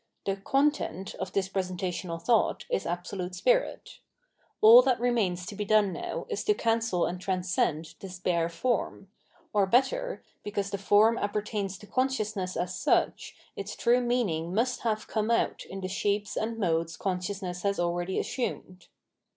The content of this presentational thought is Absolute Spirit. All that remains to be done now is to cancel and trans cend this bare form; or better, because the form appertains to consciousness as such its true meaning must have come out in the shapes and modes conscious ness has already assumed.